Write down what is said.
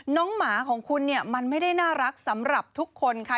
หมาของคุณเนี่ยมันไม่ได้น่ารักสำหรับทุกคนค่ะ